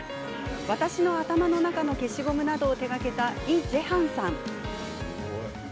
「私の頭の中の消しゴム」などを手がけた、イ・ジェハンさん。